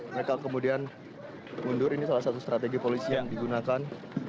mereka kemudian mundur ini salah satu strategi polisi yang digunakan